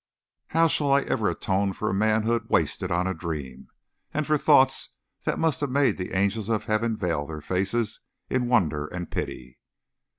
How shall I ever atone for a manhood wasted on a dream, and for thoughts that must have made the angels of Heaven veil their faces in wonder and pity.